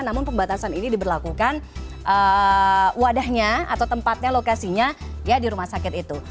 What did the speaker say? namun pembatasan ini diberlakukan wadahnya atau tempatnya lokasinya ya di rumah sakit itu